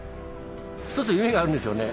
一つ夢があるんですよね。